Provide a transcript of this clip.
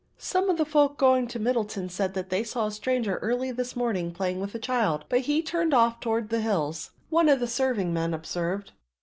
"Some of the folk going to Middleton say that they saw a stranger early this morning, playing with a child, but he turned off toward the hills," one of the serving men observed.